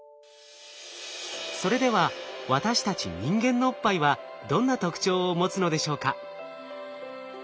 それでは私たち人間のおっぱいはどんな特徴を持つのでしょうか？